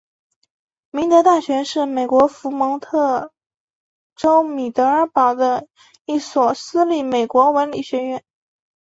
明德大学是美国佛蒙特州米德尔堡的一所私立美国文理学院。